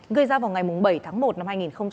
gây ra vào ngày bảy tháng một năm hai nghìn hai mươi